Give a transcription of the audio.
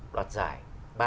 đoạt giải ba